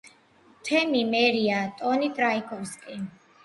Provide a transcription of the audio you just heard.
თემი მერია ტონი ტრაიკოვსკი.